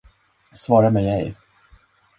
Svara mig ej.